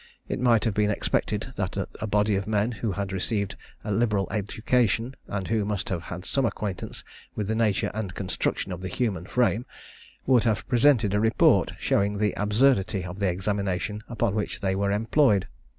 It might have been expected that a body of men, who had received a liberal education, and who must have had some acquaintance with the nature and construction of the human frame, would have presented a report, showing the absurdity of the examination upon which they were employed.